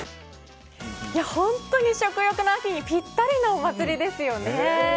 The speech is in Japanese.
本当に食欲の秋にピッタリのお祭りですよね。